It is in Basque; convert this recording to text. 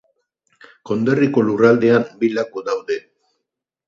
Konderriko lurraldean, bi laku daude.